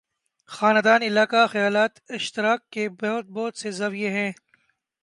خاندان، علاقہ، خیالات اشتراک کے بہت سے زاویے ہیں۔